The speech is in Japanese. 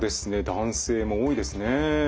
男性も多いですね。